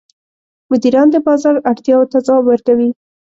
مدیران د بازار اړتیاوو ته ځواب ورکوي.